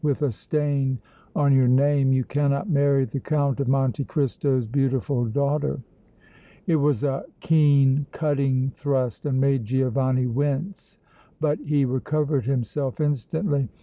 "With a stain on your name you cannot marry the Count of Monte Cristo's beautiful daughter!" It was a keen, cutting thrust and made Giovanni wince, but he recovered himself instantly.